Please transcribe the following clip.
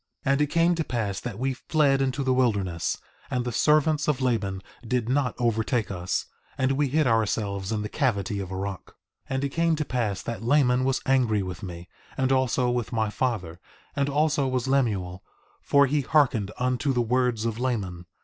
3:27 And it came to pass that we fled into the wilderness, and the servants of Laban did not overtake us, and we hid ourselves in the cavity of a rock. 3:28 And it came to pass that Laman was angry with me, and also with my father; and also was Lemuel, for he hearkened unto the words of Laman.